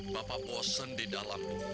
bapak bosan di dalam